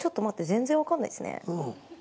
全然分かんないですね。